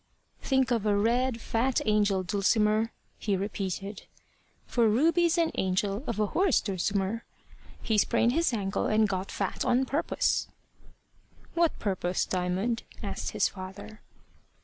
"Think of a red, fat angel, Dulcimer!" he repeated; "for Ruby's an angel of a horse, Dulcimer. He sprained his ankle and got fat on purpose." "What purpose, Diamond?" asked his father.